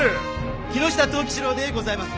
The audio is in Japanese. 木下藤吉郎でございます。